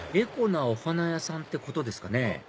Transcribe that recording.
エコなお花屋さんってことですかね？